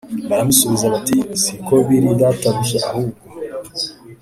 Baramusubiza bati si ko biri databuja ahubwo